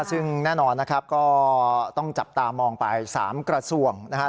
ซึ่งแน่นอนนะครับก็ต้องจับตามองไป๓กระทรวงนะครับ